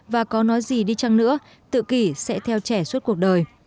và có nói gì đi chăng nữa tự kỷ sẽ theo trẻ suốt cuộc đời